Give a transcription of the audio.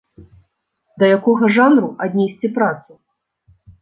Да якога жанру аднесці працу?